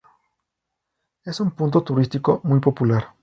Es un punto turístico muy popular.